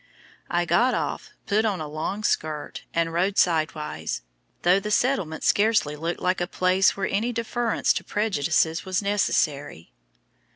I got off, put on a long skirt, and rode sidewise, though the settlement scarcely looked like a place where any deference to prejudices was necessary.